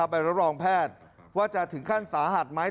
ไปรับรองแพทย์ว่าจะถึงขั้นสาหัสไหม